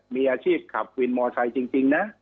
มีอาชีพขับวินมอไซค์จริงนะ